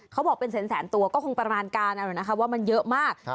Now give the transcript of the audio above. เขาบอกเป็นแสนตัวก็คงประมาณการเอานะคะว่ามันเยอะมาก